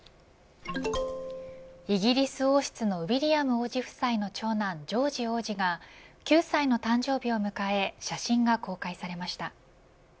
イギリス王室のウィリアム王子夫妻の長男ジョージ王子が９歳の誕生日を迎え写真が公開されました。